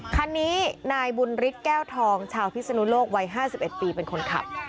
คันนี้นายบุญฤทธิแก้วทองชาวพิศนุโลกวัย๕๑ปีเป็นคนขับ